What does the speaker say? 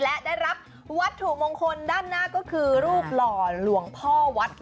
และได้รับวัตถุมงคลด้านหน้าก็คือรูปหล่อหลวงพ่อวัด